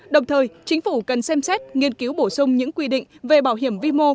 đồng thời chính phủ cần xem xét nghiên cứu bổ sung những quy định về bảo hiểm vi mô